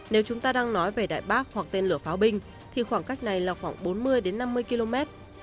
nếu chúng ta đang nói về đại bác hoặc tên lửa pháo binh thì khoảng cách này là khoảng bốn mươi năm mươi km